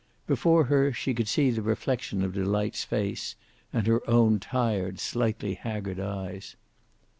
Before her she could see the reflection of Delight's face, and her own tired, slightly haggard eyes.